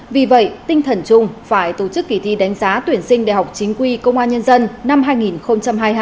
vì vậy tinh thần chung phải tổ chức kỳ thi đánh giá tuyển sinh đại học chính quy công an nhân dân năm hai nghìn hai mươi hai